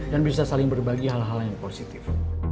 dan bisa saling berbagi hal hal yang positif